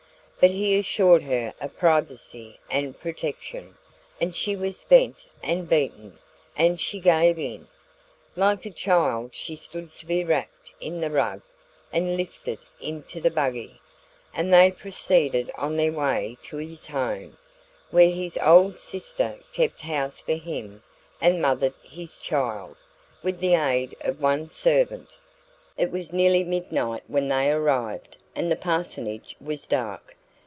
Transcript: But he assured her of privacy and protection, and she was spent and beaten, and she gave in. Like a child, she stood to be wrapped in the rug and lifted into the buggy, and they proceeded on their way to his home, where his old sister kept house for him and mothered his child, with the aid of one servant. It was nearly midnight when they arrived, and the parsonage was dark.